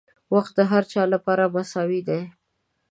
• وخت د هر چا لپاره مساوي دی.